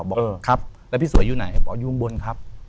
บอกครับแล้วพี่สวยอยู่ไหนบอกอยู่ข้างบนครับ